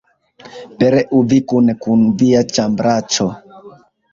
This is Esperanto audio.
Pereu vi kune kun via ĉambraĉo!